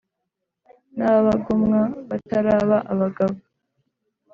nababagomwa bataraba abagabo;